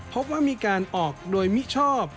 พบว่ามีการออกโดยมิชอบ